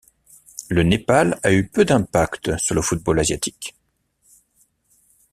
Le Népal a eu peu d'impact sur le football asiatique.